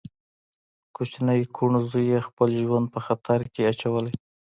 کوچني کوڼ زوی يې خپل ژوند په خطر کې اچولی.